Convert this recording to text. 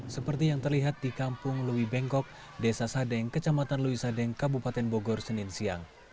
seperti yang terlihat di kampung lewi bengkok desa sadeng kecamatan lewi sadeng kabupaten bogor senin siang